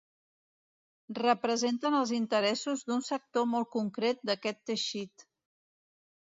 Representen els interessos d’un sector molt concret d’aquest teixit.